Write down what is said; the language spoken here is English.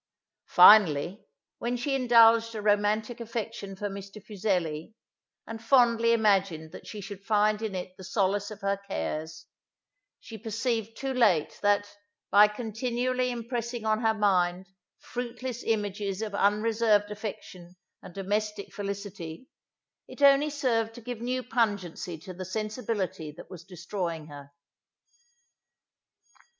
Finally, when she indulged a romantic affection for Mr. Fuseli, and fondly imagined that she should find in it the solace of her cares, she perceived too late, that, by continually impressing on her mind fruitless images of unreserved affection and domestic felicity, it only served to give new pungency to the sensibility that was destroying her.